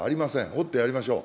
追ってやりましょう。